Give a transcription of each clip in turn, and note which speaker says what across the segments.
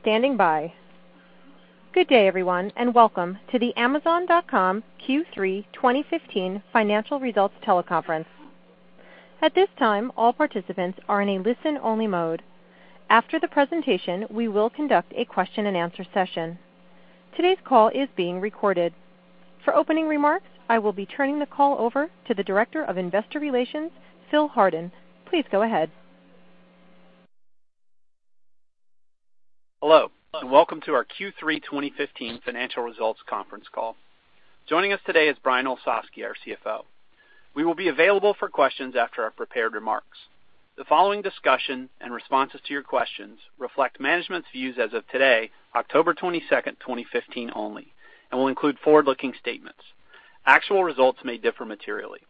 Speaker 1: Standing by. Good day everyone, welcome to the Amazon.com Q3 2015 financial results teleconference. At this time, all participants are in a listen-only mode. After the presentation, we will conduct a question and answer session. Today's call is being recorded. For opening remarks, I will be turning the call over to the Director of Investor Relations, Phil Hardin. Please go ahead.
Speaker 2: Hello, welcome to our Q3 2015 financial results conference call. Joining us today is Brian Olsavsky, our CFO. We will be available for questions after our prepared remarks. The following discussion and responses to your questions reflect management's views as of today, October 22, 2015 only, and will include forward-looking statements. Actual results may differ materially.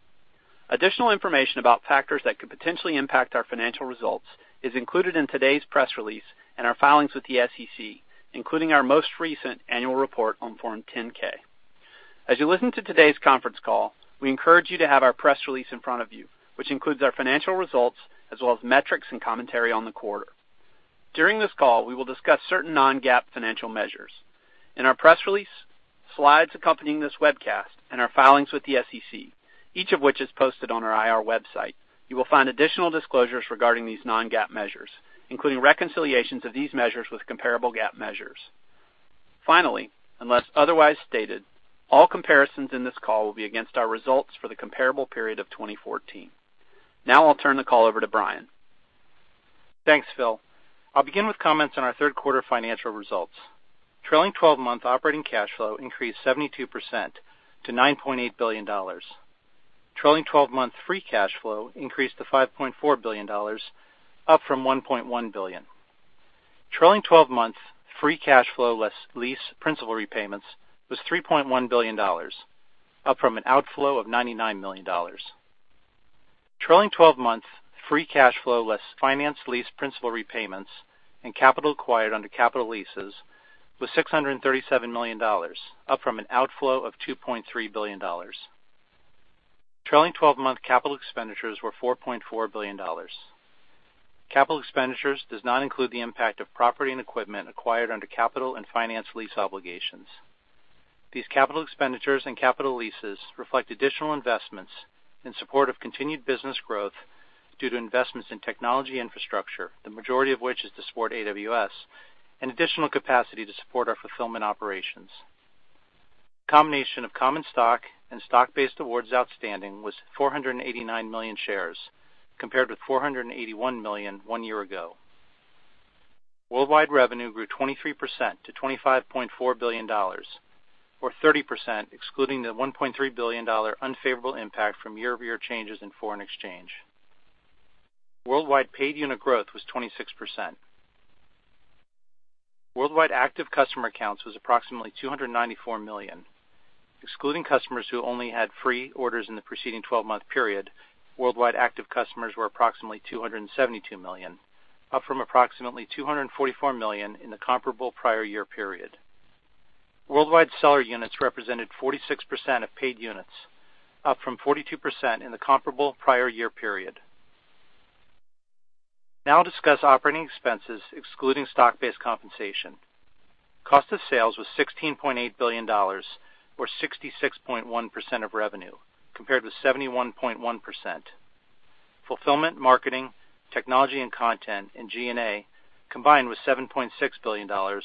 Speaker 2: Additional information about factors that could potentially impact our financial results is included in today's press release and our filings with the SEC, including our most recent annual report on Form 10-K. As you listen to today's conference call, we encourage you to have our press release in front of you, which includes our financial results as well as metrics and commentary on the quarter. During this call, we will discuss certain non-GAAP financial measures. In our press release, slides accompanying this webcast, and our filings with the SEC, each of which is posted on our IR website, you will find additional disclosures regarding these non-GAAP measures, including reconciliations of these measures with comparable GAAP measures. Finally, unless otherwise stated, all comparisons in this call will be against our results for the comparable period of 2014. Now I'll turn the call over to Brian.
Speaker 3: Thanks, Phil. I'll begin with comments on our third quarter financial results. Trailing 12-month operating cash flow increased 72% to $9.8 billion. Trailing 12-month free cash flow increased to $5.4 billion, up from $1.1 billion. Trailing 12-month free cash flow less lease principal repayments was $3.1 billion, up from an outflow of $99 million. Trailing 12-month free cash flow less finance lease principal repayments and capital acquired under capital leases was $637 million, up from an outflow of $2.3 billion. Trailing 12-month capital expenditures were $4.4 billion. Capital expenditures does not include the impact of property and equipment acquired under capital and finance lease obligations. These capital expenditures and capital leases reflect additional investments in support of continued business growth due to investments in technology infrastructure, the majority of which is to support AWS, and additional capacity to support our fulfillment operations. Combination of common stock and stock-based awards outstanding was 489 million shares compared with 481 million one year ago. Worldwide revenue grew 23% to $25.4 billion, or 30% excluding the $1.3 billion unfavorable impact from year-over-year changes in foreign exchange. Worldwide paid unit growth was 26%. Worldwide active customer accounts was approximately 294 million. Excluding customers who only had free orders in the preceding 12-month period, worldwide active customers were approximately 272 million, up from approximately 244 million in the comparable prior year period. Worldwide seller units represented 46% of paid units, up from 42% in the comparable prior year period. I'll discuss operating expenses excluding stock-based compensation. Cost of sales was $16.8 billion, or 66.1% of revenue, compared with 71.1%. Fulfillment, marketing, technology and content, and G&A combined was $7.6 billion, or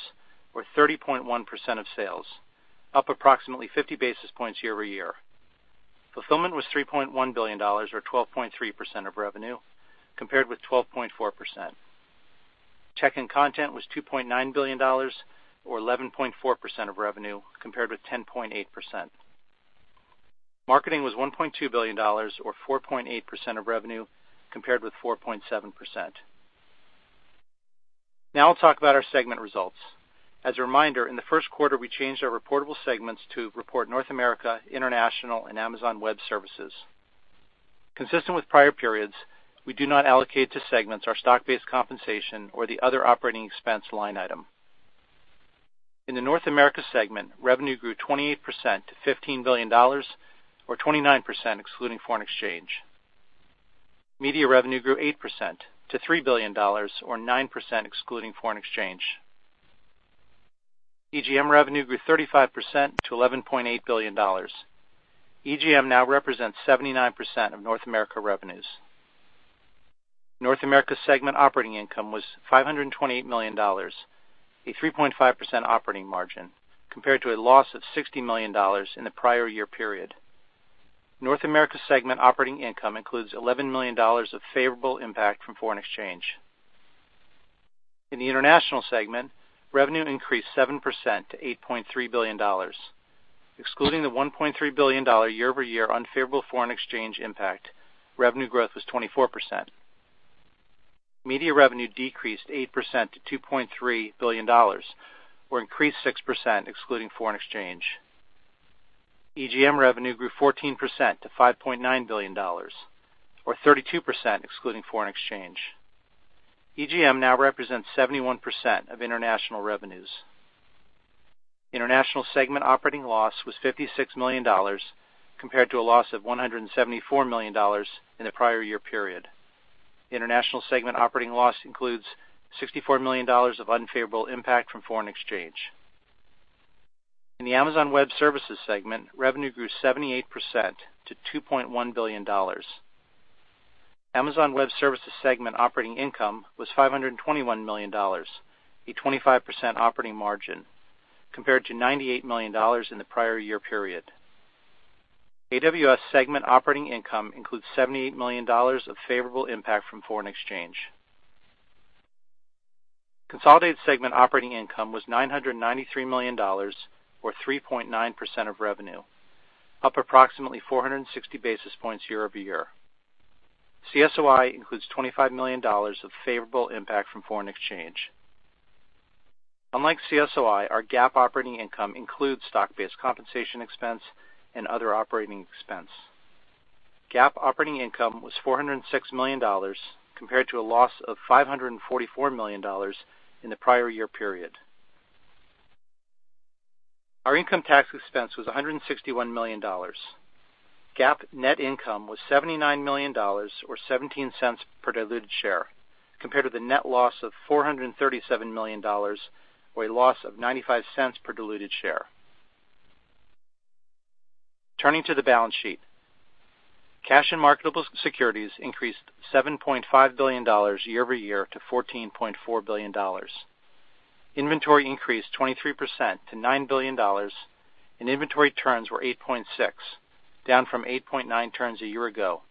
Speaker 3: 30.1% of sales, up approximately 50 basis points year-over-year. Fulfillment was $3.1 billion, or 12.3% of revenue, compared with 12.4%. Tech and content was $2.9 billion or 11.4% of revenue, compared with 10.8%. Marketing was $1.2 billion or 4.8% of revenue, compared with 4.7%. I'll talk about our segment results. As a reminder, in the first quarter, we changed our reportable segments to report North America, International, and Amazon Web Services. Consistent with prior periods, we do not allocate to segments our stock-based compensation or the other operating expense line item. In the North America segment, revenue grew 28% to $15 billion, or 29% excluding foreign exchange. Media revenue grew 8% to $3 billion, or 9% excluding foreign exchange. EGM revenue grew 35% to $11.8 billion. EGM now represents 79% of North America revenues. North America segment operating income was $528 million, a 3.5% operating margin, compared to a loss of $60 million in the prior year period. North America segment operating income includes $11 million of favorable impact from foreign exchange. In the International segment, revenue increased 7% to $8.3 billion. Excluding the $1.3 billion year-over-year unfavorable foreign exchange impact, revenue growth was 24%. Media revenue decreased 8% to $2.3 billion, or increased 6% excluding foreign exchange. EGM revenue grew 14% to $5.9 billion, or 32% excluding foreign exchange. EGM now represents 71% of international revenues. International segment operating loss was $56 million compared to a loss of $174 million in the prior year period. International segment operating loss includes $64 million of unfavorable impact from foreign exchange. In the Amazon Web Services segment, revenue grew 78% to $2.1 billion. Amazon Web Services segment operating income was $521 million, a 25% operating margin, compared to $98 million in the prior year period. AWS segment operating income includes $78 million of favorable impact from foreign exchange. Consolidated segment operating income was $993 million, or 3.9% of revenue, up approximately 460 basis points year-over-year. CSOI includes $25 million of favorable impact from foreign exchange. Unlike CSOI, our GAAP operating income includes stock-based compensation expense and other operating expense. GAAP operating income was $406 million compared to a loss of $544 million in the prior year period. Our income tax expense was $161 million. GAAP net income was $79 million, or $0.17 per diluted share, compared to the net loss of $437 million, or a loss of $0.95 per diluted share. Turning to the balance sheet. Cash and marketable securities increased $7.5 billion year-over-year to $14.4 billion. Inventory increased 23% to $9 billion, and inventory turns were 8.6, down from 8.9 turns a year ago,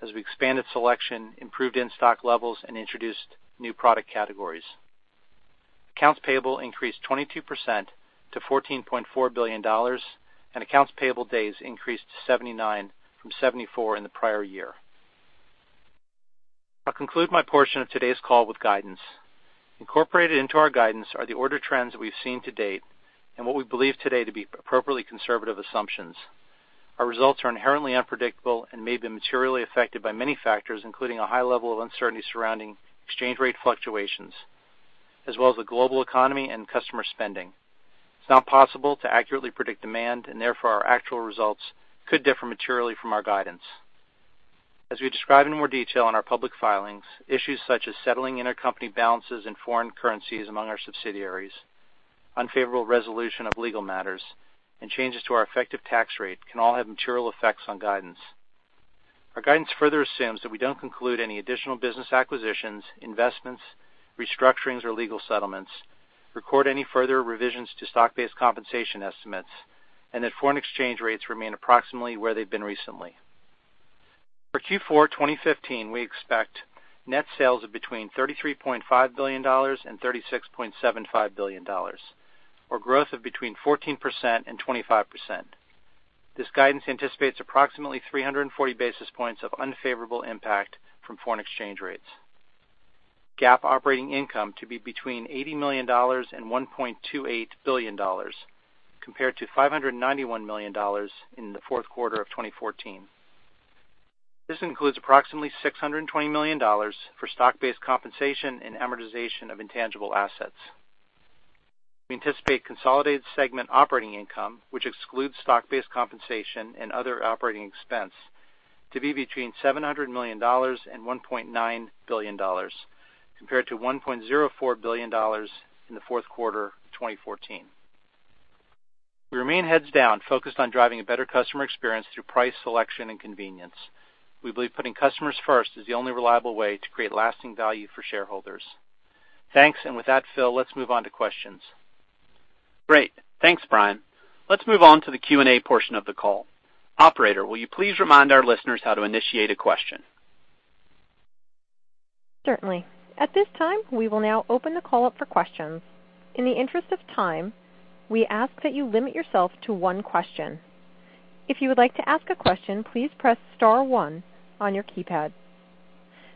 Speaker 3: as we expanded selection, improved in-stock levels, and introduced new product categories. Accounts payable increased 22% to $14.4 billion. Accounts payable days increased to 79 from 74 in the prior year. I'll conclude my portion of today's call with guidance. Incorporated into our guidance are the order trends that we've seen to date and what we believe today to be appropriately conservative assumptions. Our results are inherently unpredictable and may be materially affected by many factors, including a high level of uncertainty surrounding exchange rate fluctuations, as well as the global economy and customer spending. It's not possible to accurately predict demand. Therefore, our actual results could differ materially from our guidance. As we describe in more detail in our public filings, issues such as settling intercompany balances in foreign currencies among our subsidiaries, unfavorable resolution of legal matters, and changes to our effective tax rate can all have material effects on guidance. Our guidance further assumes that we don't conclude any additional business acquisitions, investments, restructurings, or legal settlements, record any further revisions to stock-based compensation estimates, and that foreign exchange rates remain approximately where they've been recently. For Q4 2015, we expect net sales of between $33.5 billion and $36.75 billion, or growth of between 14% and 25%. This guidance anticipates approximately 340 basis points of unfavorable impact from foreign exchange rates. GAAP operating income to be between $80 million and $1.28 billion, compared to $591 million in the fourth quarter of 2014. This includes approximately $620 million for stock-based compensation and amortization of intangible assets. We anticipate consolidated segment operating income, which excludes stock-based compensation and other operating expense, to be between $700 million and $1.9 billion, compared to $1.04 billion in the fourth quarter of 2014. We remain heads down, focused on driving a better customer experience through price, selection, and convenience. We believe putting customers first is the only reliable way to create lasting value for shareholders. Thanks. With that, Phil, let's move on to questions.
Speaker 2: Great. Thanks, Brian. Let's move on to the Q&A portion of the call. Operator, will you please remind our listeners how to initiate a question?
Speaker 1: Certainly. At this time, we will now open the call up for questions. In the interest of time, we ask that you limit yourself to one question. If you would like to ask a question, please press star one on your keypad.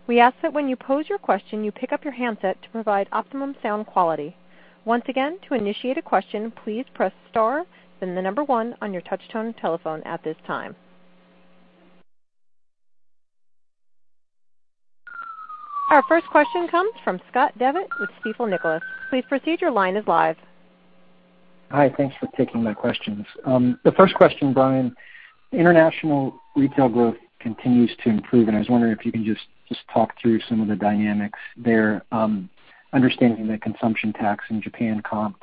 Speaker 1: We ask that when you pose your question, you pick up your handset to provide optimum sound quality. Once again, to initiate a question, please press star, then the number one on your touch-tone telephone at this time. Our first question comes from Scott Devitt with Stifel Nicolaus. Please proceed, your line is live.
Speaker 4: Hi. Thanks for taking my questions. The first question, Brian, international retail growth continues to improve. I was wondering if you can just talk through some of the dynamics there, understanding the consumption tax in Japan comp.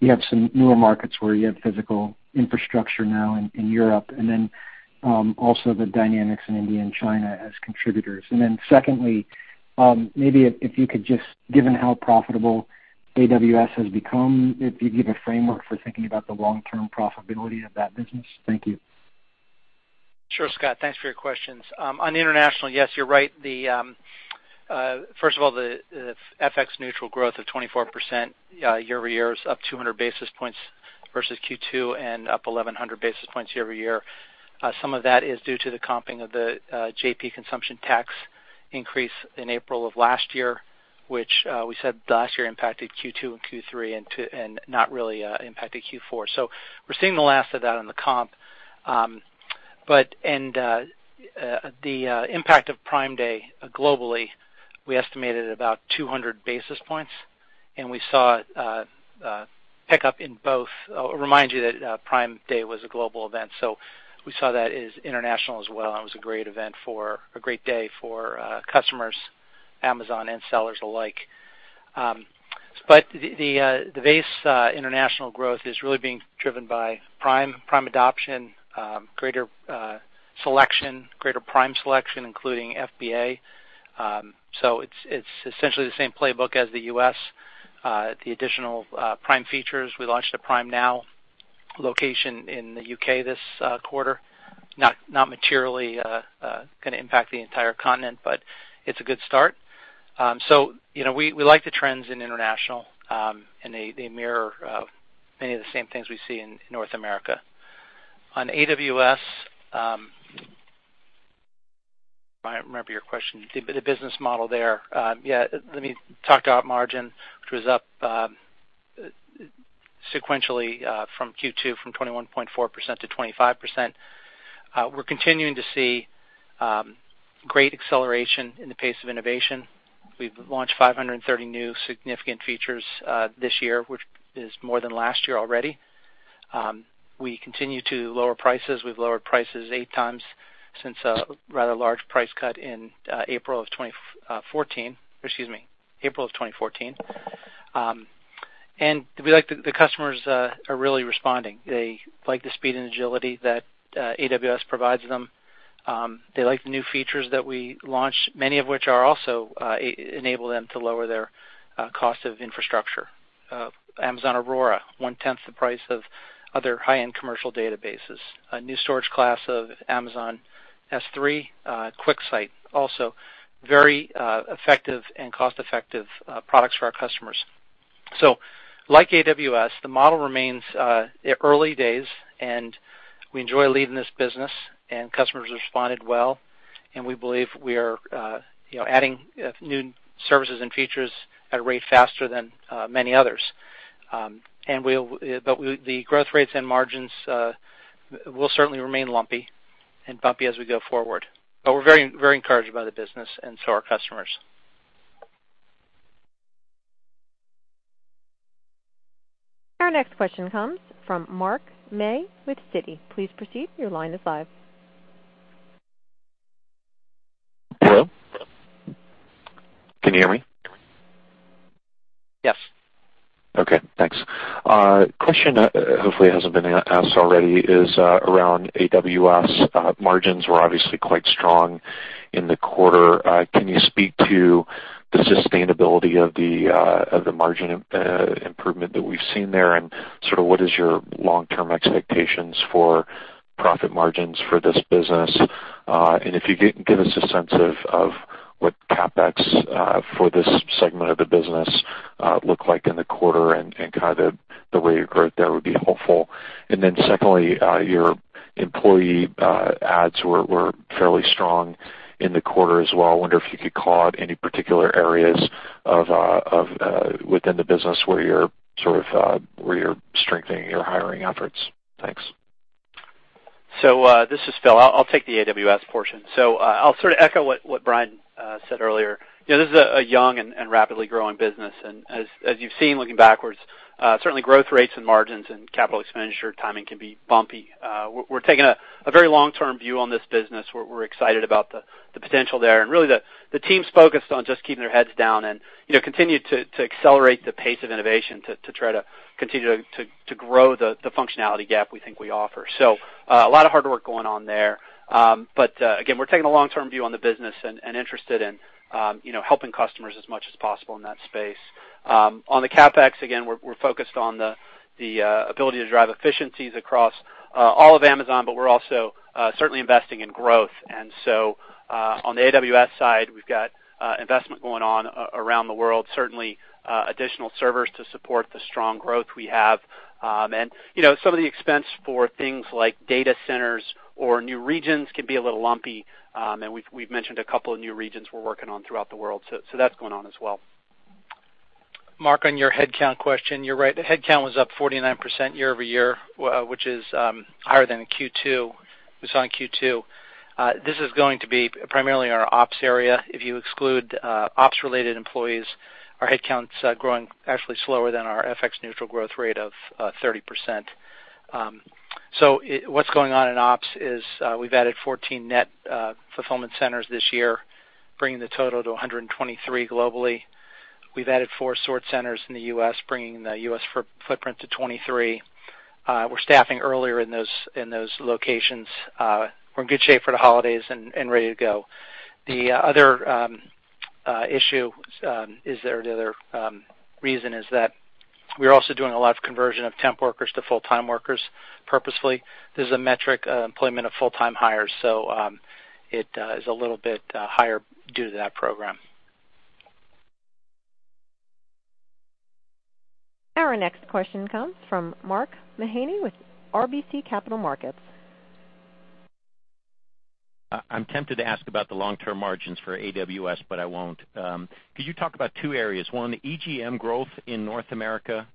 Speaker 4: You have some newer markets where you have physical infrastructure now in Europe, and then also the dynamics in India and China as contributors. Secondly, maybe if you could just, given how profitable AWS has become, if you'd give a framework for thinking about the long-term profitability of that business. Thank you.
Speaker 3: Sure, Scott. Thanks for your questions. On international, yes, you're right. First of all, the FX neutral growth of 24% year-over-year is up 200 basis points versus Q2 and up 1,100 basis points year-over-year. Some of that is due to the comping of the JP consumption tax increase in April of last year, which we said last year impacted Q2 and Q3 and not really impacted Q4. We're seeing the last of that on the comp. The impact of Prime Day globally, we estimated about 200 basis points, and we saw it pick up in both. I'll remind you that Prime Day was a global event, so we saw that as international as well, and it was a great day for customers, Amazon, and sellers alike. The base international growth is really being driven by Prime adoption, greater Prime selection, including FBA. It's essentially the same playbook as the U.S. The additional Prime features, we launched a Prime Now location in the U.K. this quarter. Not materially going to impact the entire continent, but it's a good start. We like the trends in international, and they mirror many of the same things we see in North America. On AWS, I remember your question, the business model there. Yeah, let me talk about margin, which was up sequentially from Q2 from 21.4% to 25%. We're continuing to see great acceleration in the pace of innovation. We've launched 530 new significant features this year, which is more than last year already. We continue to lower prices. We've lowered prices eight times since a rather large price cut in April of 2014. We like that the customers are really responding. They like the speed and agility that AWS provides them. They like the new features that we launched, many of which also enable them to lower their cost of infrastructure. Amazon Aurora, one-tenth the price of other high-end commercial databases. A new storage class of Amazon S3, QuickSight, also very effective and cost-effective products for our customers. Like AWS, the model remains early days, and we enjoy leading this business, and customers responded well, and we believe we are adding new services and features at a rate faster than many others. The growth rates and margins will certainly remain lumpy and bumpy as we go forward. We're very encouraged by the business and so are customers. Our next question comes from Mark May with Citi. Please proceed, your line is live.
Speaker 5: Hello? Can you hear me?
Speaker 3: Yes.
Speaker 5: Okay, thanks. Question, hopefully it hasn't been asked already, is around AWS. Margins were obviously quite strong in the quarter. Can you speak to the sustainability of the margin improvement that we've seen there, and what is your long-term expectations for profit margins for this business? If you can give us a sense of what CapEx for this segment of the business look like in the quarter and kind of the way you grew it there would be helpful. Then secondly, your employee adds were fairly strong in the quarter as well. I wonder if you could call out any particular areas within the business where you're strengthening your hiring efforts. Thanks.
Speaker 2: This is Phil. I'll take the AWS portion. I'll sort of echo what Brian said earlier. This is a young and rapidly growing business, and as you've seen looking backwards, certainly growth rates and margins and capital expenditure timing can be bumpy. We're taking a very long-term view on this business. We're excited about the potential there, and really the team's focused on just keeping their heads down and continue to accelerate the pace of innovation to try to continue to grow the functionality gap we think we offer. A lot of hard work going on there. Again, we're taking a long-term view on the business and interested in helping customers as much as possible in that space. On the CapEx, again, we're focused on the ability to drive efficiencies across all of Amazon, but we're also certainly investing in growth.
Speaker 3: On the AWS side, we've got investment going on around the world, certainly additional servers to support the strong growth we have. Some of the expense for things like data centers or new regions can be a little lumpy, and we've mentioned a couple of new regions we're working on throughout the world. That's going on as well. Mark, on your headcount question, you're right. The headcount was up 49% year-over-year, which is higher than Q2. This is going to be primarily in our ops area. If you exclude ops-related employees, our headcount's growing actually slower than our FX neutral growth rate of 30%. What's going on in ops is we've added 14 net fulfillment centers this year, bringing the total to 123 globally. We've added four sort centers in the U.S., bringing the U.S. footprint to 23. We're staffing earlier in those locations. We're in good shape for the holidays and ready to go. The other reason is that we're also doing a lot of conversion of temp workers to full-time workers purposefully. This is a metric employment of full-time hires, so it is a little bit higher due to that program. Our next question comes from Mark Mahaney with RBC Capital Markets.
Speaker 6: I'm tempted to ask about the long-term margins for AWS, but I won't. Could you talk about two areas? One, the EGM growth in North America,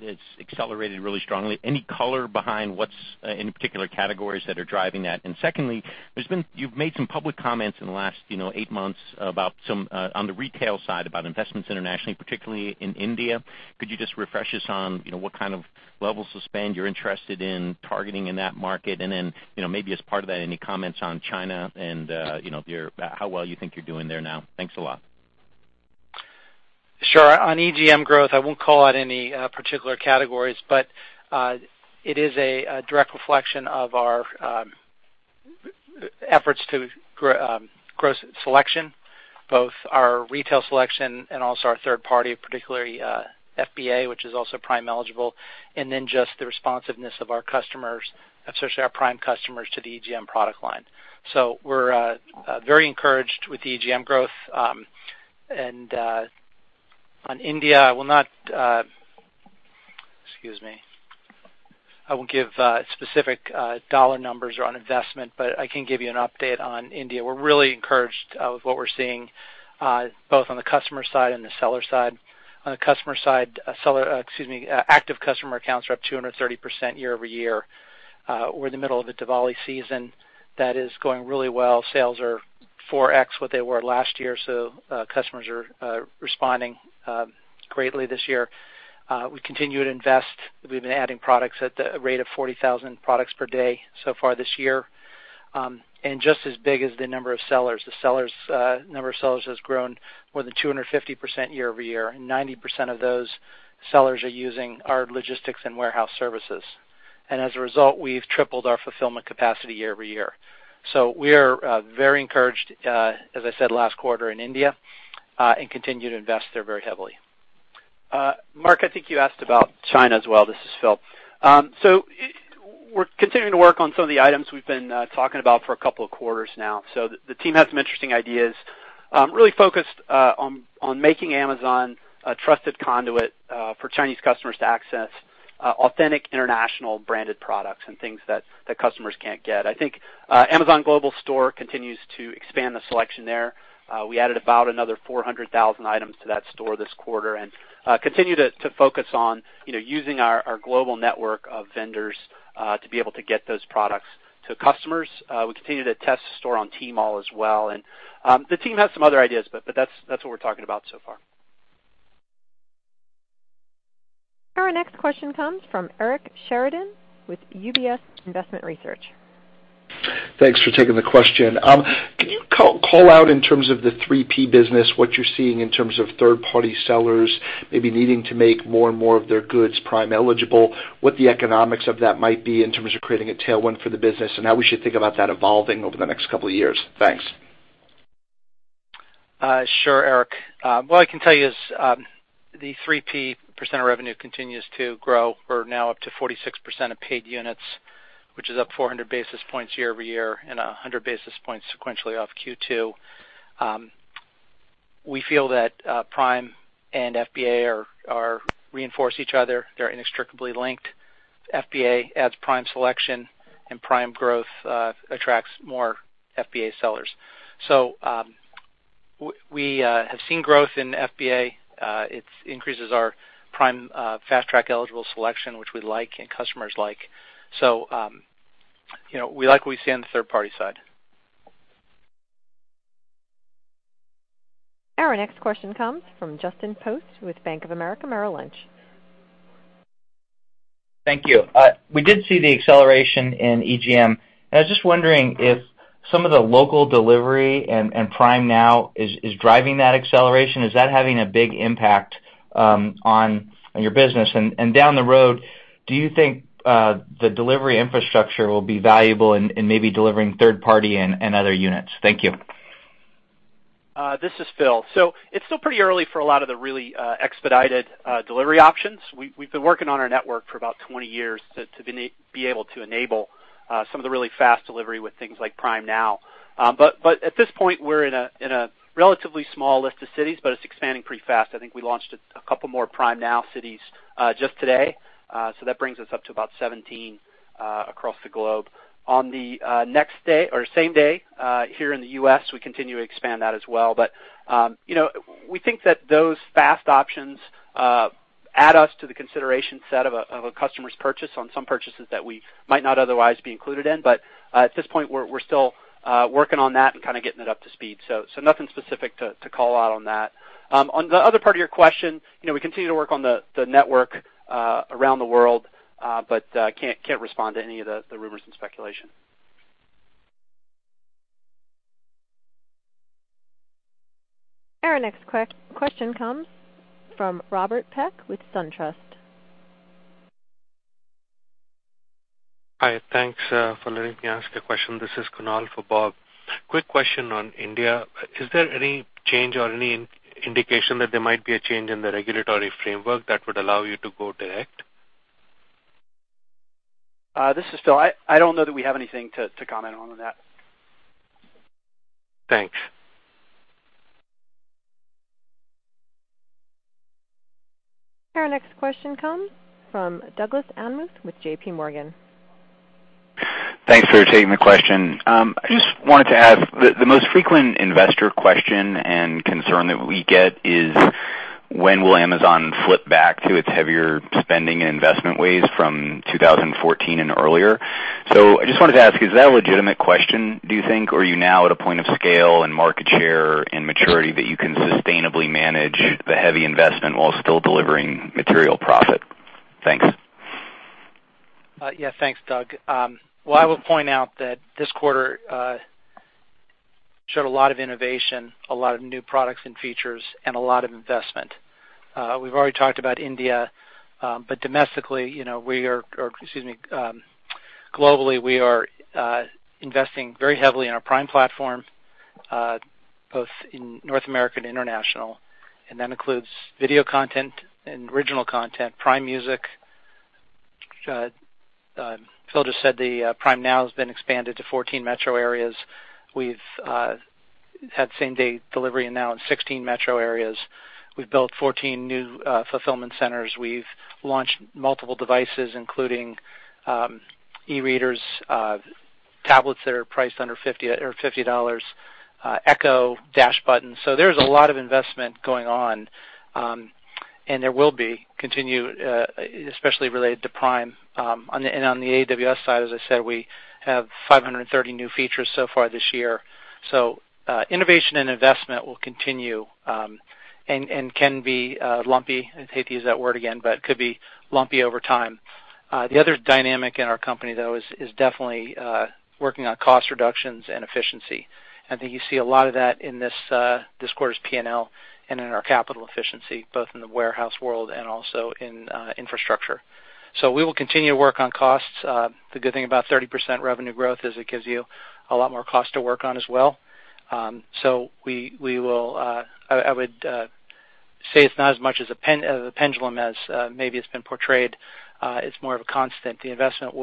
Speaker 6: it's accelerated really strongly. Any color behind what any particular categories that are driving that? Secondly, you've made some public comments in the last eight months on the retail side about investments internationally, particularly in India. Could you just refresh us on what kind of levels of spend you're interested in targeting in that market? Then, maybe as part of that, any comments on China and how well you think you're doing there now? Thanks a lot.
Speaker 3: Sure. On EGM growth, I won't call out any particular categories, but it is a direct reflection of our efforts to grow selection, both our retail selection and also our third party, particularly FBA, which is also Prime eligible, then just the responsiveness of our customers, especially our Prime customers, to the EGM product line. We're very encouraged with the EGM growth. On India, I will give specific dollar numbers around investment, but I can give you an update on India. We're really encouraged with what we're seeing both on the customer side and the seller side. On the customer side, active customer accounts are up 230% year-over-year. We're in the middle of the Diwali season. That is going really well. Sales are four X what they were last year, customers are responding greatly this year. We continue to invest. We've been adding products at the rate of 40,000 products per day so far this year. Just as big as the number of sellers. The number of sellers has grown more than 250% year-over-year, and 90% of those sellers are using our logistics and warehouse services. As a result, we've tripled our fulfillment capacity year-over-year. We are very encouraged, as I said last quarter, in India, and continue to invest there very heavily.
Speaker 2: Mark, I think you asked about China as well. This is Phil. We're continuing to work on some of the items we've been talking about for a couple of quarters now. The team has some interesting ideas, really focused on making Amazon a trusted conduit for Chinese customers to access authentic international branded products and things that the customers can't get. I think Amazon Global Store continues to expand the selection there. We added about another 400,000 items to that store this quarter and continue to focus on using our global network of vendors to be able to get those products to customers. We continue to test the store on Tmall as well. The team has some other ideas, but that's what we're talking about so far.
Speaker 1: Our next question comes from Eric Sheridan with UBS Investment Research.
Speaker 7: Thanks for taking the question. Can you call out in terms of the 3P business, what you're seeing in terms of third-party sellers maybe needing to make more and more of their goods Prime eligible, what the economics of that might be in terms of creating a tailwind for the business, and how we should think about that evolving over the next couple of years? Thanks.
Speaker 3: Sure, Eric. What I can tell you is the 3P% of revenue continues to grow. We're now up to 46% of paid units, which is up 400 basis points year-over-year and 100 basis points sequentially off Q2. We feel that Prime and FBA reinforce each other. They're inextricably linked. FBA adds Prime selection, and Prime growth attracts more FBA sellers. We have seen growth in FBA. It increases our Prime Fast Track eligible selection, which we like and customers like. We like what we see on the third-party side.
Speaker 1: Our next question comes from Justin Post with Bank of America Merrill Lynch.
Speaker 8: Thank you. We did see the acceleration in EGM, and I was just wondering if some of the local delivery and Prime Now is driving that acceleration. Is that having a big impact on your business? Down the road, do you think the delivery infrastructure will be valuable in maybe delivering third party and other units? Thank you.
Speaker 2: This is Phil. It's still pretty early for a lot of the really expedited delivery options. We've been working on our network for about 20 years to be able to enable some of the really fast delivery with things like Prime Now. At this point, we're in a relatively small list of cities, but it's expanding pretty fast. I think we launched a couple more Prime Now cities just today. That brings us up to about 17 across the globe. On the same day here in the U.S., we continue to expand that as well. We think that those fast options add us to the consideration set of a customer's purchase on some purchases that we might not otherwise be included in. At this point, we're still working on that and kind of getting it up to speed. Nothing specific to call out on that. On the other part of your question, we continue to work on the network around the world, but can't respond to any of the rumors and speculation.
Speaker 1: Our next question comes from Robert Peck with SunTrust.
Speaker 9: Hi, thanks for letting me ask a question. This is Kunal for Bob. Quick question on India. Is there any change or any indication that there might be a change in the regulatory framework that would allow you to go direct?
Speaker 2: This is Phil. I don't know that we have anything to comment on that.
Speaker 9: Thanks.
Speaker 1: Our next question comes from Douglas Anmuth with J.P. Morgan.
Speaker 10: Thanks for taking the question. I just wanted to ask, the most frequent investor question and concern that we get is when will Amazon flip back to its heavier spending and investment ways from 2014 and earlier? I just wanted to ask, is that a legitimate question, do you think, or are you now at a point of scale and market share and maturity that you can sustainably manage the heavy investment while still delivering material profit? Thanks.
Speaker 3: Thanks, Doug. Well, I will point out that this quarter showed a lot of innovation, a lot of new products and features, and a lot of investment. We've already talked about India, but globally, we are investing very heavily in our Prime platform, both in North America and international, and that includes video content and original content, Prime Music. Phil just said the Prime Now has been expanded to 14 metro areas. We've had same-day delivery now in 16 metro areas. We've built 14 new fulfillment centers. We've launched multiple devices, including e-readers, tablets that are priced under $50, Echo, Dash Buttons. There's a lot of investment going on, and there will be continued, especially related to Prime. On the AWS side, as I said, we have 530 new features so far this year. Innovation and investment will continue, and can be lumpy. I hate to use that word again, it could be lumpy over time. The other dynamic in our company, though, is definitely working on cost reductions and efficiency. I think you see a lot of that in this quarter's P&L and in our capital efficiency, both in the warehouse world and also in infrastructure. We will continue to work on costs. The good thing about 30% revenue growth is it gives you a lot more cost to work on as well. I would say it's not as much as the pendulum as maybe it's been portrayed. It's more of a constant. The investment,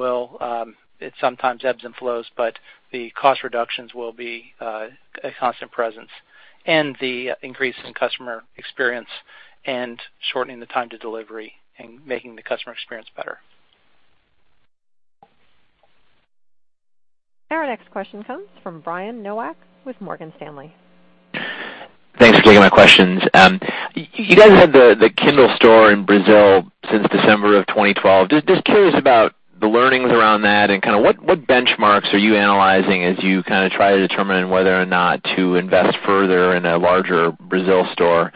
Speaker 3: it sometimes ebbs and flows, but the cost reductions will be a constant presence and the increase in customer experience and shortening the time to delivery and making the customer experience better.
Speaker 1: Our next question comes from Brian Nowak with Morgan Stanley.
Speaker 11: Thanks for taking my questions. You guys have had the Kindle Store in Brazil since December of 2012. Just curious about the learnings around that, what benchmarks are you analyzing as you try to determine whether or not to invest further in a larger Brazil store?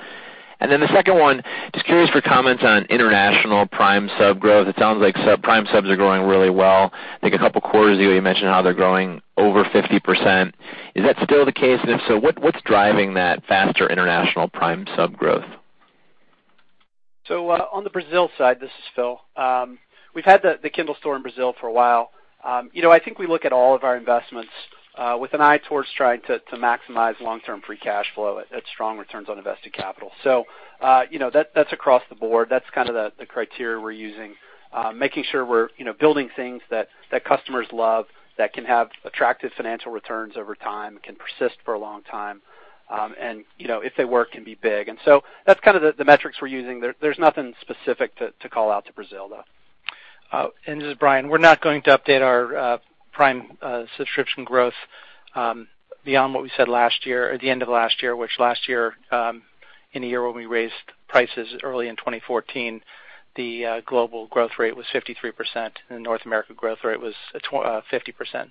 Speaker 11: The second one, just curious for comments on international Prime sub-growth. It sounds like Prime subs are growing really well. I think a couple of quarters ago, you mentioned how they're growing over 50%. Is that still the case? If so, what's driving that faster international Prime sub-growth?
Speaker 2: On the Brazil side, this is Phil. We've had the Kindle Store in Brazil for a while. I think we look at all of our investments with an eye towards trying to maximize long-term free cash flow at strong returns on invested capital. That's across the board. That's the criteria we're using, making sure we're building things that customers love, that can have attractive financial returns over time, can persist for a long time, and if they work, can be big. That's the metrics we're using. There's nothing specific to call out to Brazil, though.
Speaker 3: This is Brian. We're not going to update our Prime subscription growth beyond what we said at the end of last year, which last year, in the year when we raised prices early in 2014, the global growth rate was 53%, and the North America growth rate was 50%.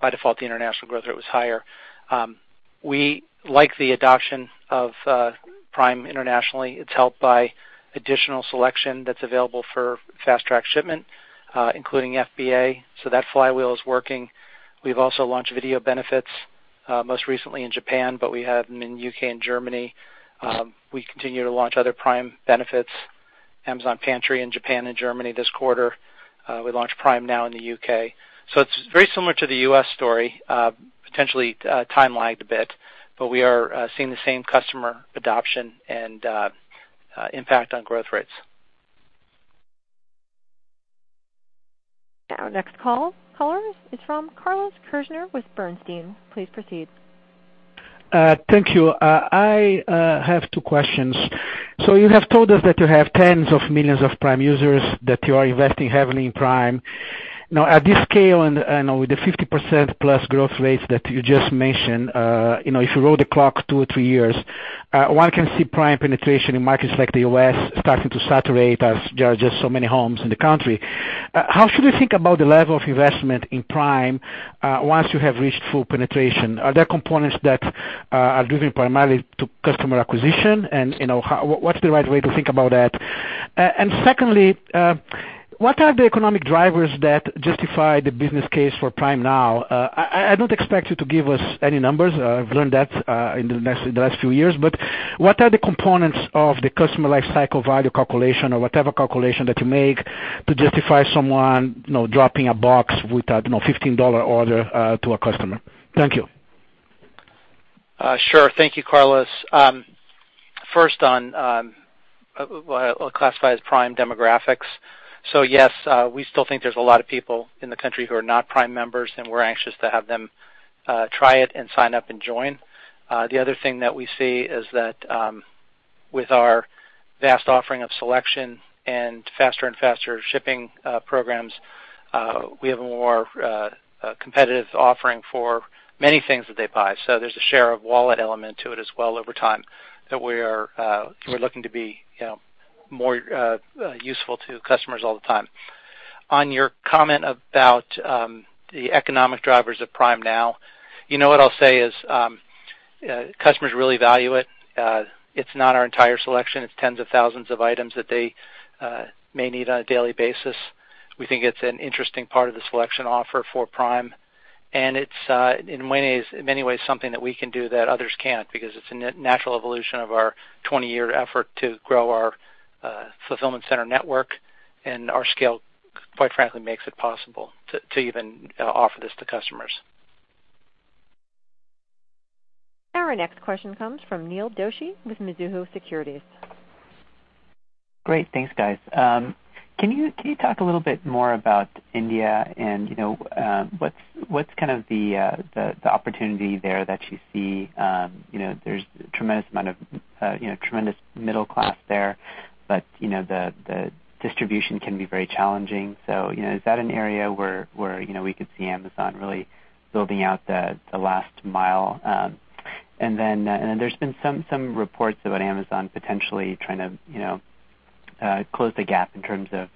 Speaker 3: By default, the international growth rate was higher. We like the adoption of Prime internationally. It's helped by additional selection that's available for Fast Track shipment, including FBA. That flywheel is working. We've also launched video benefits, most recently in Japan, but we have them in U.K. and Germany. We continue to launch other Prime benefits, Amazon Pantry in Japan and Germany this quarter. We launched Prime Now in the U.K. It's very similar to the U.S. story, potentially time lagged a bit, but we are seeing the same customer adoption and impact on growth rates.
Speaker 1: Our next caller is from Carlos Kirjner with Bernstein. Please proceed.
Speaker 12: Thank you. I have two questions. You have told us that you have tens of millions of Prime users, that you are investing heavily in Prime. At this scale and with the 50% plus growth rates that you just mentioned, if you roll the clock two or three years, one can see Prime penetration in markets like the U.S. starting to saturate as there are just so many homes in the country. How should we think about the level of investment in Prime once you have reached full penetration? Are there components that are driven primarily to customer acquisition? What's the right way to think about that? Secondly, what are the economic drivers that justify the business case for Prime Now? I don't expect you to give us any numbers. I've learned that in the last few years, what are the components of the customer lifecycle value calculation or whatever calculation that you make to justify someone dropping a box with a $15 order to a customer? Thank you.
Speaker 3: Sure. Thank you, Carlos. First on what I'll classify as Prime demographics. Yes, we still think there's a lot of people in the country who are not Prime members, and we're anxious to have them try it and sign up and join. The other thing that we see is that with our vast offering of selection and faster and faster shipping programs, we have a more competitive offering for many things that they buy. There's a share of wallet element to it as well over time that we're looking to be more useful to customers all the time. On your comment about the economic drivers of Prime Now, what I'll say is customers really value it. It's not our entire selection. It's tens of thousands of items that they may need on a daily basis. We think it's an interesting part of the selection offer for Prime, and it's, in many ways, something that we can do that others can't because it's a natural evolution of our 20-year effort to grow our fulfillment center network, and our scale, quite frankly, makes it possible to even offer this to customers.
Speaker 1: Our next question comes from Neil Doshi with Mizuho Securities.
Speaker 13: Great. Thanks, guys. Can you talk a little bit more about India and what's the opportunity there that you see? There's tremendous middle class there, but the distribution can be very challenging. Is that an area where we could see Amazon really building out the last mile? There's been some reports about Amazon potentially trying to close the gap in terms of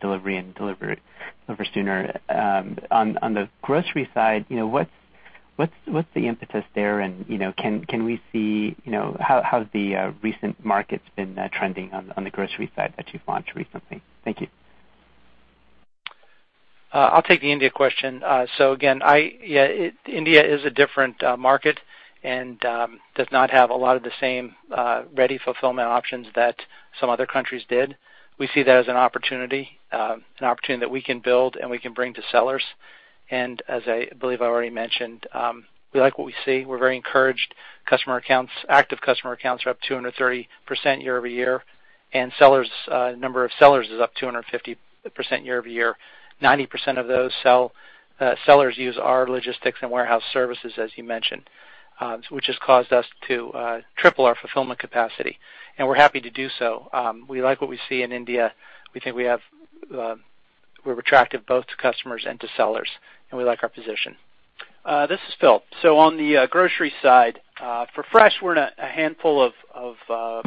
Speaker 13: delivery and deliver sooner. On the grocery side, what's the impetus there, and how have the recent markets been trending on the grocery side that you've launched recently? Thank you.
Speaker 3: I'll take the India question. Again, India is a different market and does not have a lot of the same ready fulfillment options that some other countries did. We see that as an opportunity that we can build and we can bring to sellers. As I believe I already mentioned, we like what we see. We're very encouraged. Active customer accounts are up 230% year-over-year, and number of sellers is up 250% year-over-year. 90% of those sellers use our logistics and warehouse services, as you mentioned, which has caused us to triple our fulfillment capacity, and we're happy to do so. We like what we see in India. We think we're attractive both to customers and to sellers, and we like our position.
Speaker 2: This is Phil. On the grocery side, for Fresh, we're in a handful of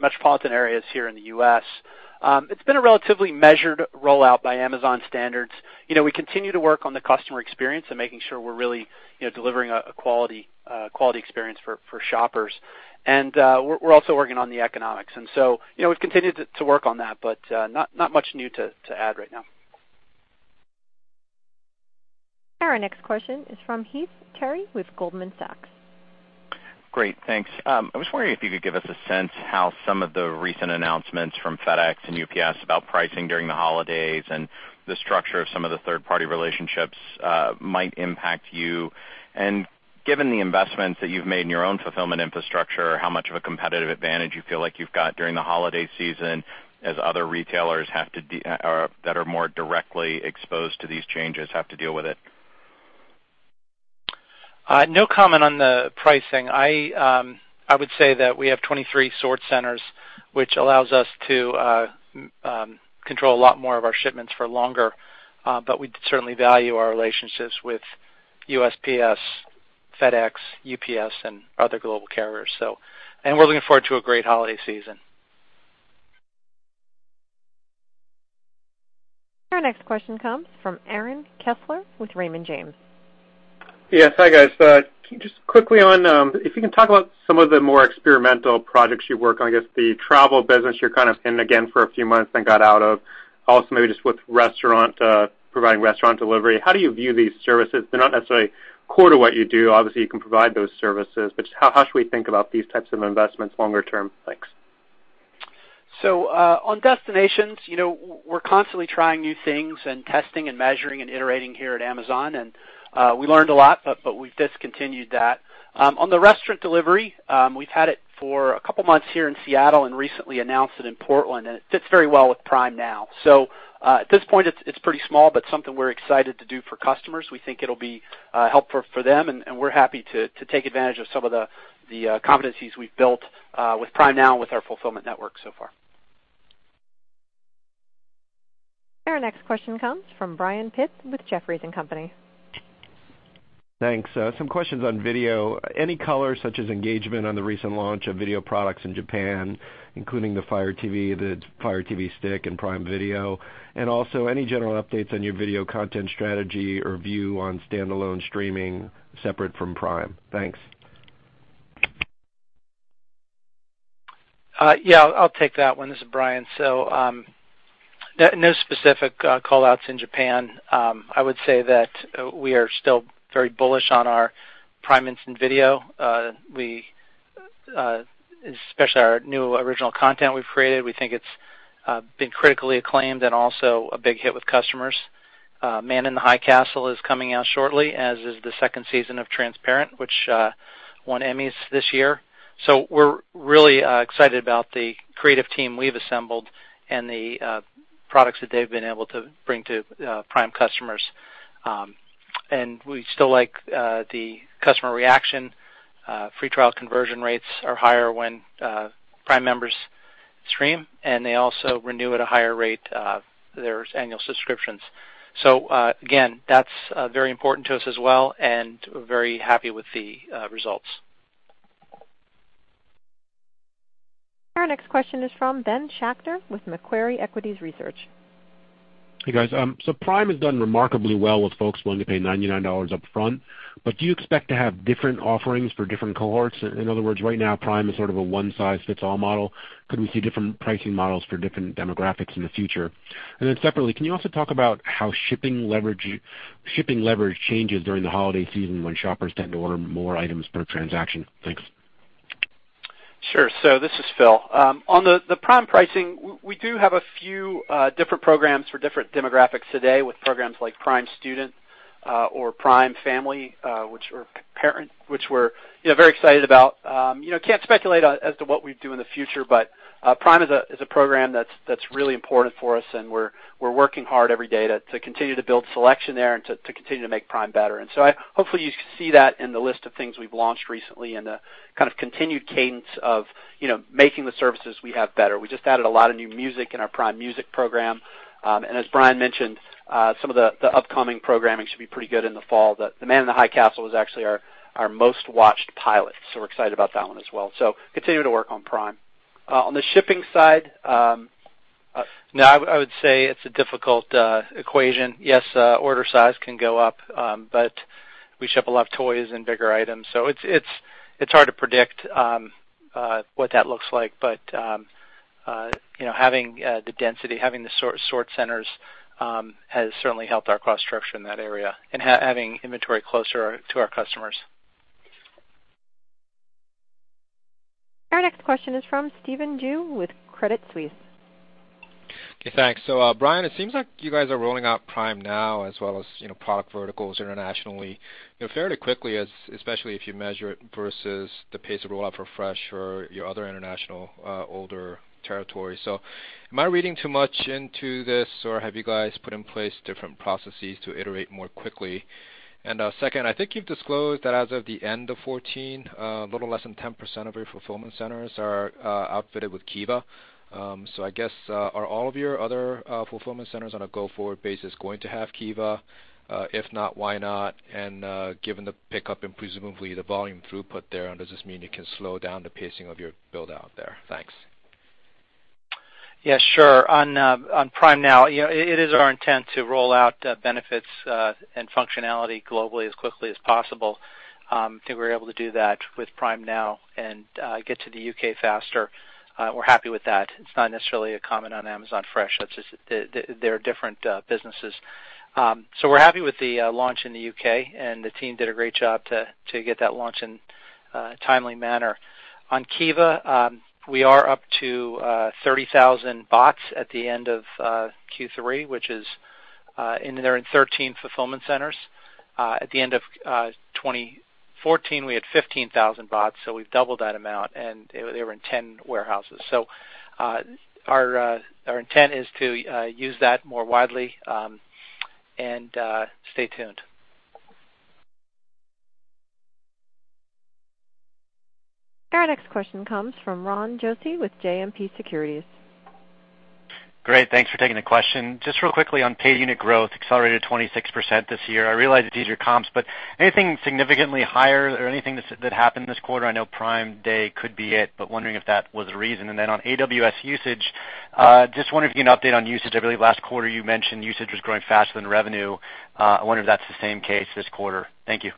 Speaker 2: metropolitan areas here in the U.S. It's been a relatively measured rollout by Amazon standards. We continue to work on the customer experience and making sure we're really delivering a quality experience for shoppers. We're also working on the economics. We've continued to work on that, not much new to add right now.
Speaker 1: Our next question is from Heath Terry with Goldman Sachs.
Speaker 14: Great. Thanks. I was wondering if you could give us a sense how some of the recent announcements from FedEx and UPS about pricing during the holidays and the structure of some of the third-party relationships might impact you. Given the investments that you've made in your own fulfillment infrastructure, how much of a competitive advantage you feel like you've got during the holiday season, as other retailers that are more directly exposed to these changes have to deal with it?
Speaker 3: No comment on the pricing. I would say that we have 23 sort centers, which allows us to control a lot more of our shipments for longer. We certainly value our relationships with USPS, FedEx, UPS, and other global carriers. We're looking forward to a great holiday season.
Speaker 1: Our next question comes from Aaron Kessler with Raymond James.
Speaker 15: Yes. Hi, guys. Just quickly, if you can talk about some of the more experimental projects you work on. I guess the travel business you're kind of in again for a few months got out of. Maybe just with providing restaurant delivery. How do you view these services? They're not necessarily core to what you do. Obviously, you can provide those services, how should we think about these types of investments longer term? Thanks.
Speaker 2: On destinations, we're constantly trying new things and testing and measuring and iterating here at Amazon, and we learned a lot, we've discontinued that. On the restaurant delivery, we've had it for a couple of months here in Seattle and recently announced it in Portland, it fits very well with Prime Now. At this point, it's pretty small, something we're excited to do for customers. We think it'll be helpful for them, we're happy to take advantage of some of the competencies we've built with Prime Now with our fulfillment network so far.
Speaker 1: Our next question comes from Brian Pitz with Jefferies & Company.
Speaker 16: Thanks. Some questions on video. Any color, such as engagement on the recent launch of video products in Japan, including the Fire TV, the Fire TV Stick and Prime Video? Any general updates on your video content strategy or view on standalone streaming separate from Prime? Thanks.
Speaker 3: Yeah, I'll take that one. This is Brian. No specific call-outs in Japan. I would say that we are still very bullish on our Prime Instant Video, especially our new original content we've created. We think it's been critically acclaimed and also a big hit with customers. "Man in the High Castle" is coming out shortly, as is the second season of "Transparent," which won Emmys this year. We're really excited about the creative team we've assembled and the products that they've been able to bring to Prime customers. We still like the customer reaction. Free trial conversion rates are higher when Prime members stream, and they also renew at a higher rate their annual subscriptions. Again, that's very important to us as well, and we're very happy with the results.
Speaker 1: Our next question is from Ben Schachter with Macquarie Equities Research.
Speaker 17: Hey, guys. Prime has done remarkably well with folks willing to pay $99 up front. Do you expect to have different offerings for different cohorts? In other words, right now, Prime is sort of a one-size-fits-all model. Could we see different pricing models for different demographics in the future? Separately, can you also talk about how shipping leverage changes during the holiday season when shoppers tend to order more items per transaction? Thanks.
Speaker 2: This is Phil. On the Prime pricing, we do have a few different programs for different demographics today with programs like Prime Student or Prime Family, which we're very excited about. Can't speculate as to what we'd do in the future, but Prime is a program that's really important for us, and we're working hard every day to continue to build selection there and to continue to make Prime better. Hopefully you see that in the list of things we've launched recently and the kind of continued cadence of making the services we have better. We just added a lot of new music in our Prime Music program. As Brian mentioned, some of the upcoming programming should be pretty good in the fall. "The Man in the High Castle" was actually our most-watched pilot, we're excited about that one as well. Continue to work on Prime. On the shipping side-
Speaker 3: No, I would say it's a difficult equation. Yes, order size can go up, we ship a lot of toys and bigger items, it's hard to predict what that looks like. Having the density, having the sort centers has certainly helped our cost structure in that area, and having inventory closer to our customers.
Speaker 1: Our next question is from Stephen Ju with Credit Suisse.
Speaker 18: Okay, thanks. Brian, it seems like you guys are rolling out Prime Now as well as product verticals internationally fairly quickly, especially if you measure it versus the pace of rollout for Fresh or your other international older territories. Am I reading too much into this, or have you guys put in place different processes to iterate more quickly? Second, I think you've disclosed that as of the end of 2014, a little less than 10% of your fulfillment centers are outfitted with Kiva. I guess are all of your other fulfillment centers on a go-forward basis going to have Kiva? If not, why not? Given the pickup in presumably the volume throughput there, does this mean you can slow down the pacing of your build-out there? Thanks.
Speaker 3: Yeah, sure. On Prime Now, it is our intent to rollout benefits and functionality globally as quickly as possible. I think we were able to do that with Prime Now and get to the U.K. faster. We're happy with that. It's not necessarily a comment on Amazon Fresh. They're different businesses. We're happy with the launch in the U.K., and the team did a great job to get that launch in a timely manner. On Kiva, we are up to 30,000 bots at the end of Q3, and they're in 13 fulfillment centers. At the end of 2014, we had 15,000 bots, so we've doubled that amount, and they were in 10 warehouses. Our intent is to use that more widely, and stay tuned.
Speaker 1: Our next question comes from Ron Josey with JMP Securities.
Speaker 19: Great. Thanks for taking the question. Just real quickly on paid unit growth accelerated 26% this year. I realize it's easier comps, but anything significantly higher or anything that happened this quarter? I know Prime Day could be it, but wondering if that was the reason. Then on AWS usage, just wondering if you can update on usage. I believe last quarter you mentioned usage was growing faster than revenue. I wonder if that's the same case this quarter. Thank you.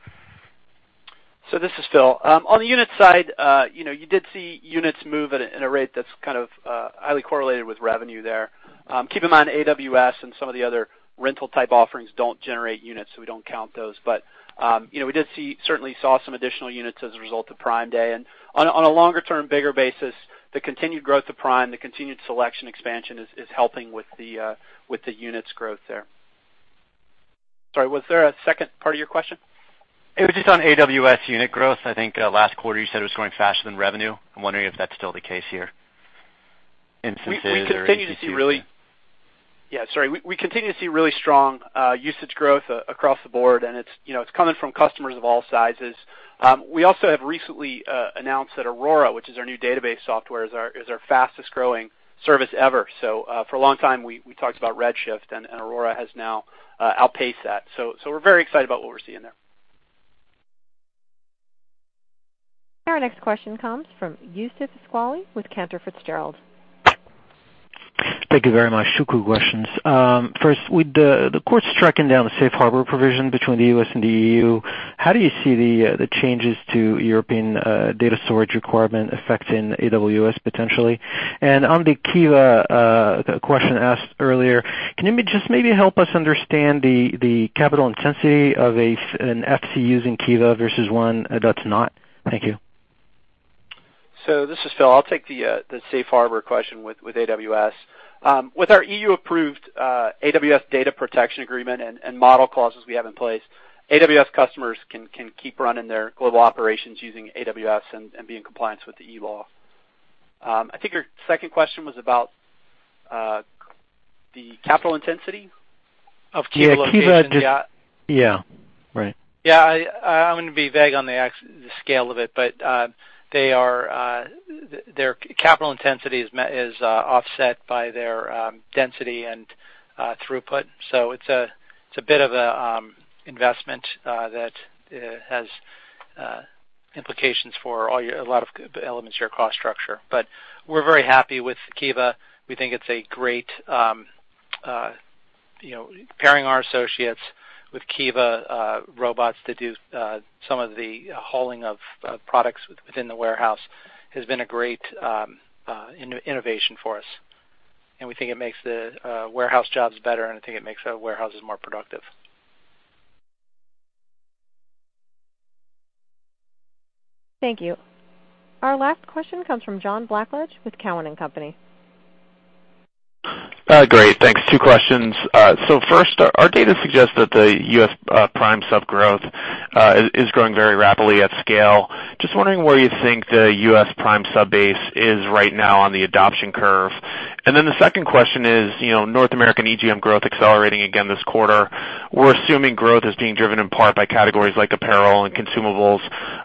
Speaker 2: This is Phil. On the unit side, you did see units move at a rate that's kind of highly correlated with revenue there. Keep in mind, AWS and some of the other rental-type offerings don't generate units. We don't count those. We certainly saw some additional units as a result of Prime Day. On a longer-term, bigger basis, the continued growth of Prime, the continued selection expansion is helping with the units growth there. Sorry, was there a second part of your question?
Speaker 19: It was just on AWS unit growth. I think last quarter you said it was growing faster than revenue. I'm wondering if that's still the case here. Instances or EC2s.
Speaker 2: Sorry. We continue to see really strong usage growth across the board, and it's coming from customers of all sizes. We also have recently announced that Aurora, which is our new database software, is our fastest-growing service ever. For a long time, we talked about Redshift. Aurora has now outpaced that. We're very excited about what we're seeing there.
Speaker 1: Our next question comes from Youssef Squali with Cantor Fitzgerald.
Speaker 20: Thank you very much. Two quick questions. First, with the court striking down the Safe Harbor provision between the U.S. and the EU, how do you see the changes to European data storage requirement affecting AWS potentially? On the Kiva question asked earlier, can you just maybe help us understand the capital intensity of an FC using Kiva versus one that's not? Thank you.
Speaker 2: This is Phil. I'll take the Safe Harbor question with AWS. With our EU-approved AWS Data Processing Addendum and model clauses we have in place, AWS customers can keep running their global operations using AWS and be in compliance with the EU law. I think your second question was about the capital intensity of Kiva locations.
Speaker 20: Yeah, Kiva. Yeah. Right.
Speaker 3: Yeah. I'm going to be vague on the scale of it, their capital intensity is offset by their density and throughput. It's a bit of an investment that has implications for a lot of elements of your cost structure. We're very happy with Kiva. We think it's great pairing our associates with Kiva robots to do some of the hauling of products within the warehouse. It has been a great innovation for us, we think it makes the warehouse jobs better, we think it makes our warehouses more productive.
Speaker 1: Thank you. Our last question comes from John Blackledge with Cowen and Company.
Speaker 21: Great. Thanks. Two questions. First, our data suggests that the U.S. Prime sub-growth is growing very rapidly at scale. Just wondering where you think the U.S. Prime sub-base is right now on the adoption curve. The second question is, North American EGM growth accelerating again this quarter. We're assuming growth is being driven in part by categories like apparel and consumables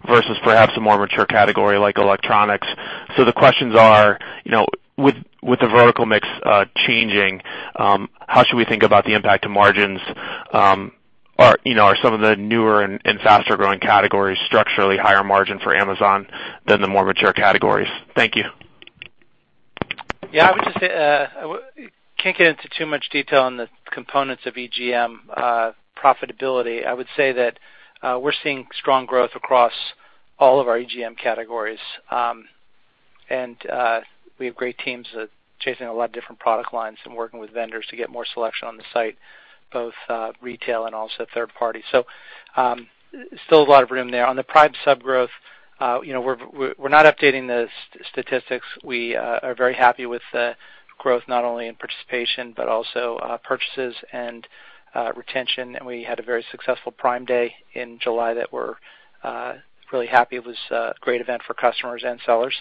Speaker 21: versus perhaps a more mature category like electronics. The questions are, with the vertical mix changing, how should we think about the impact to margins? Are some of the newer and faster-growing categories structurally higher margin for Amazon than the more mature categories? Thank you.
Speaker 2: Yeah, I would just say, I can't get into too much detail on the components of EGM profitability. I would say that we're seeing strong growth across all of our EGM categories, and we have great teams chasing a lot of different product lines and working with vendors to get more selection on the site, both retail and also third party. Still a lot of room there. On the Prime sub-growth, we're not updating the statistics. We are very happy with the growth not only in participation but also purchases and retention. We had a very successful Prime Day in July that we're really happy with. It was a great event for customers and sellers.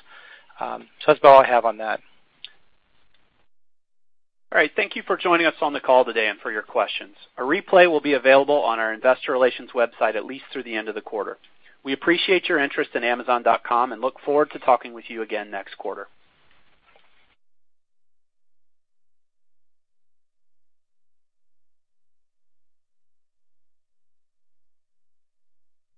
Speaker 2: That's about all I have on that. All right. Thank you for joining us on the call today and for your questions. A replay will be available on our investor relations website at least through the end of the quarter. We appreciate your interest in Amazon.com and look forward to talking with you again next quarter.